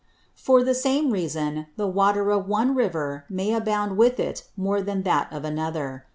For the same Reason, the Water of one River may abound with it more than that of another.